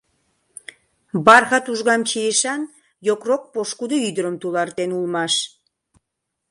Бархат ужгам чийышан йокрок пошкудо ӱдырым тулартен улмаш.